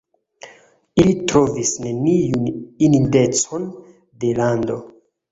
Ili trovis neniun indicon de lando.